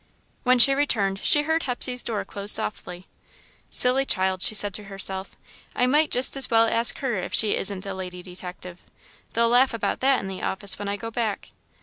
When she returned she heard Hepsey's door close softly. "Silly child," she said to herself. "I might just as well ask her if she isn't a'lady detective.' They'll laugh about that in the office when I go back."